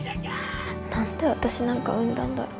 何で私なんか生んだんだろう。